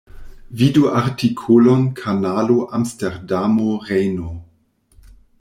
Vidu artikolon Kanalo Amsterdamo–Rejno.